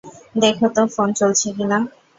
দেখো তো ফোন চলছে কিনা?